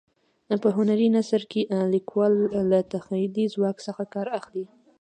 په هنري نثر کې لیکوال له تخیلي ځواک څخه کار اخلي.